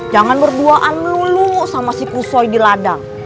jangan berduaan melulu sama si kusoi di ladang